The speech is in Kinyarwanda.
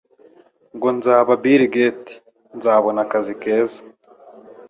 Ngo nzaba Bill Gates, nzabona akazi keza